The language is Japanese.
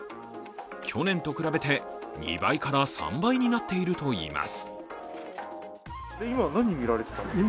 去年と比べて２倍から３倍になっているといいます。